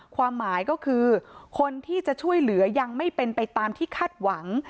ความหมายก็คือคนที่จะช่วยเหลือยังไม่เป็นไปตามที่คาดหวัง